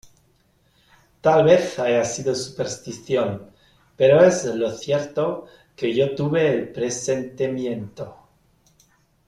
tal vez haya sido superstición , pero es lo cierto que yo tuve el presentimiento .